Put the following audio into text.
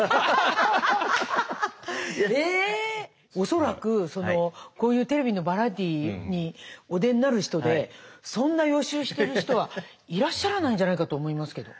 恐らくこういうテレビのバラエティーにお出になる人でそんな予習してる人はいらっしゃらないんじゃないかと思いますけど。